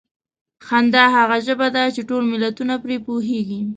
خندا هغه ژبه ده چې ټول ملتونه پرې پوهېږي.